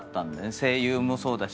声優もそうだし。